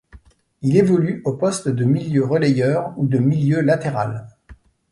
Il évolue au poste de milieu relayeur ou de milieu latéral.